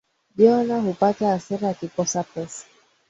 Jonna hupata hasira akikosa pesa